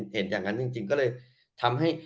เห็นอย่างนั้นจริงก็เลยทำให้